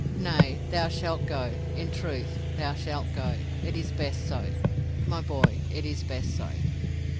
"Nay, thou shalt go, in truth, thou shalt go. It is best so. My boy, it is best so."